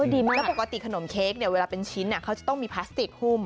แล้วปกติขนมเค้กเนี่ยเวลาเป็นชิ้นเขาจะต้องมีพลาสติกหุ้ม